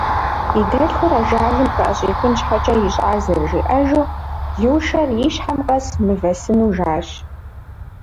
И дэлъхур ажалым къыӏэщӏихын щхьэкӏэ ищӏар зэрыжиӏэжу, Лушэр и щхьэм къэс мывэ сыну жащ.